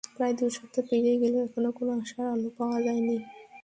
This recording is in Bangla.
প্রায় দুই সপ্তাহ পেরিয়ে গেলেও এখনো কোনো আশার আলো পাওয়া যায়নি।